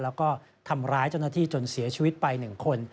แล้วก็ทำร้ายเจ้าหน้าที่จนเสียชีวิตไป๑คน